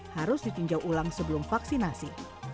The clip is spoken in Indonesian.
harus ditinjau ulang sebelum vaksinasi